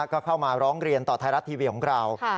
ก็เข้ามาร้องเรียนต่อไทยรัฐทีวีของเรา